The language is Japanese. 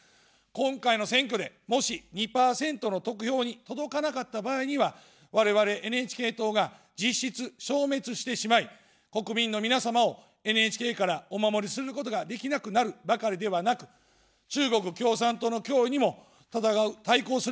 今回の選挙で、もし２％の得票に届かなかった場合には、我々ＮＨＫ党が実質、消滅してしまい、国民の皆様をＮＨＫからお守りすることができなくなるばかりではなく、中国共産党の脅威にも対抗することができなくなってしまいます。